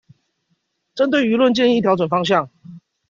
針對輿論建議調整方向